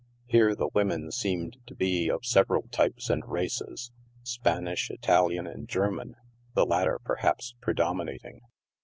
Here the women seemed to be of several types and races — Spanish, Italian and German — the latter, perhaps, predominating.